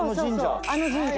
あの神社。